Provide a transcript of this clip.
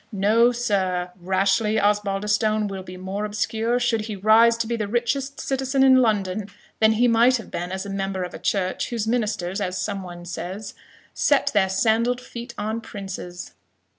No, sir, Rashleigh Osbaldistone will be more obscure, should he rise to be the richest citizen in London, than he might have been as a member of a church, whose ministers, as some one says, 'set their sandall'd feet on princes.'